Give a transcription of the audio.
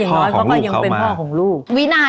ขอของลูกเข้ามา